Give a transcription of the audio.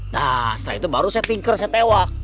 nah setelah itu baru saya tinker saya tewak